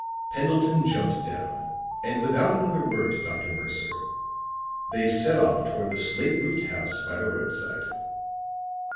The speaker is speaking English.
Pendleton jumped down, and without another word to Dr. Mercer, they set off toward the slate roofed house by the roadside.